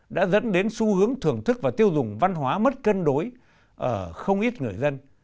đã dẫn đến xu hướng thưởng thức và tiêu dùng văn hóa mất cân đối ở không ít người dân